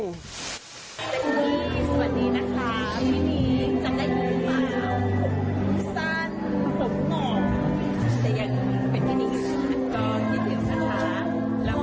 สวัสดีนะคะพี่นิ้ง